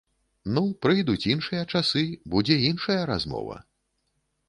Ну, прыйдуць іншыя часы, будзе іншая размова.